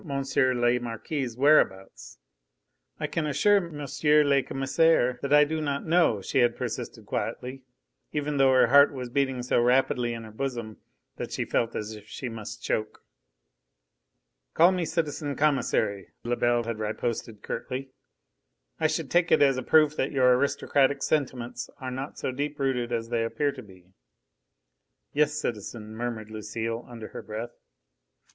le Marquis' whereabouts. "I can assure M. le Commissaire that I do not know," she had persisted quietly, even though her heart was beating so rapidly in her bosom that she felt as if she must choke. "Call me citizen Commissary," Lebel had riposted curtly. "I should take it as a proof that your aristocratic sentiments are not so deep rooted as they appear to be." "Yes, citizen!" murmured Lucile, under her breath.